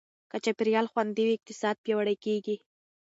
که چاپېریال خوندي وي، اقتصاد پیاوړی کېږي.